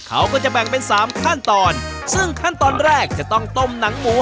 เขาก็จะแบ่งเป็นสามขั้นตอนซึ่งขั้นตอนแรกจะต้องต้มหนังหมู